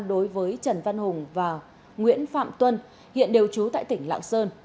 đối với trần văn hùng và nguyễn phạm tuân hiện đều trú tại tỉnh lạng sơn